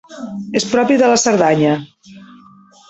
És propi de la Cerdanya.